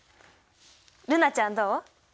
瑠菜ちゃんどう？